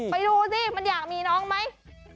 ไปดูสิมันอยากมีน้องไหม